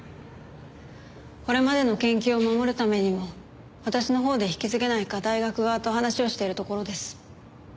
これまでの研究を守るためにも私のほうで引き継げないか大学側と話をしているところです。